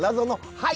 はい！